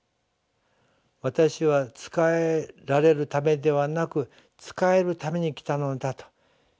私は仕えられるためではなく仕えるために来たのだと。